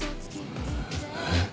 えっ？